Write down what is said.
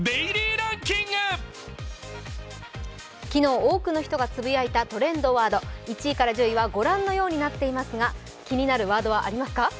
昨日多くの人がつぶやいたトレンドワード、１位から１０位は御覧のようになっていますが気になるワードはありますか？